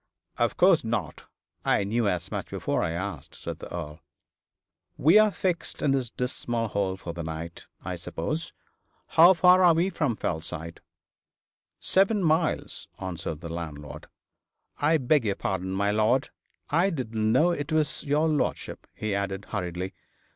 'Of course not. I knew as much before I asked,' said the Earl. 'We are fixed in this dismal hole for the night, I suppose. How far are we from Fellside?' 'Seven miles,' answered the landlord. 'I beg your pardon, my lord; I didn't know it was your lordship,' he added, hurriedly.